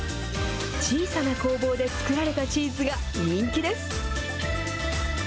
小さな工房で作られたチーズが人気です。